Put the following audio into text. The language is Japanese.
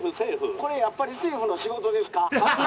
「これやっぱり政府の仕事ですか？」。